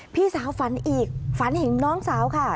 พี่สาวฝันอีกฝันเห็นน้องสาวค่ะ